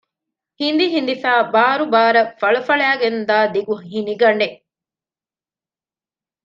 ހިނދިހިނދިފައި ބާރުބާރަށް ފަޅަފަޅައިގެންދާ ދިގު ހިނިގަނޑެއް